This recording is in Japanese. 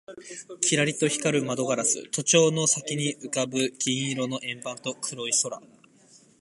キラリと光る窓ガラス、都庁の先に浮ぶ銀色の円盤と黒い空